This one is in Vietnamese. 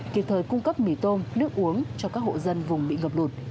kịp thời cung cấp mì tôm nước uống cho các hộ dân vùng bị ngập lụt